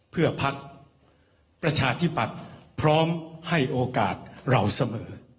เพื่อพักประชาธิปัตย์พร้อมให้โอกาสเราเสมอ